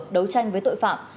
đấu tranh với tội phạm